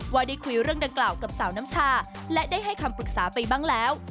ว่าได้คุยเรื่องดังกล่าวกับสาวน้ำชาและได้ให้คำปรึกษาไปบ้างแล้ว